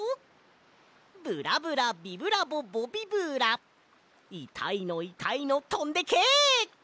ブラブラビブラボボビブラいたいのいたいのとんでけ！